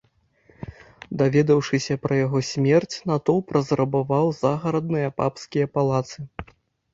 Даведаўшыся пра яго смерць, натоўп разрабаваў загарадныя папскія палацы.